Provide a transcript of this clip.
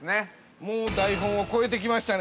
◆もう台本を超えてきましたね。